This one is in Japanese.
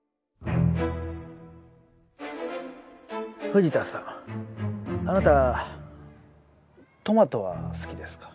藤田さんあなたトマトは好きですか？